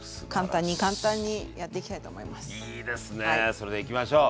それではいきましょう！